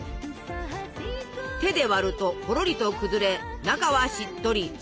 手で割るとほろりと崩れ中はしっとり。